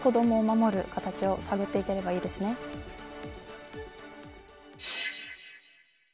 社会全体で子どもを守る形を探っていければいいですね。